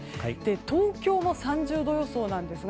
東京も３０度予想なんですが